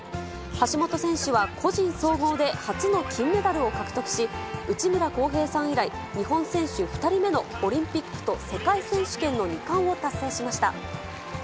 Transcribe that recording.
橋本選手は個人総合で初の金メダルを獲得し、内村航平さん以来、日本選手２人目の、オリンピックと世界選手権の２冠を達成しました。